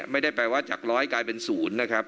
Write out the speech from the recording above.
ไม่ได้แปลว่าจากร้อยกลายเป็นศูนย์นะครับ